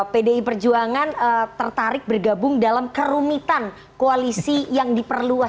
pdi perjuangan tertarik bergabung dalam kerumitan koalisi yang diperluas